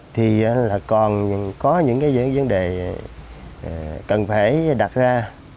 thì là còn có những cái vấn đề cần phải đặt ra